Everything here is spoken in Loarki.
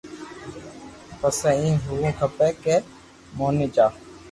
پسي ايم ھووُ کپي ڪي موني جا